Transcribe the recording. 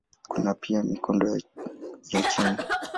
Kuna pia mikondo ya chini.